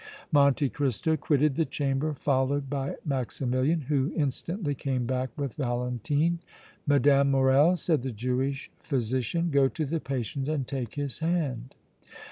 Monte Cristo quitted the chamber, followed by Maximilian, who instantly came back with Valentine. "Mme. Morrel," said the Jewish physician, "go to the patient and take his hand."